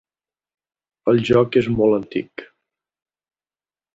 El joc és molt antic.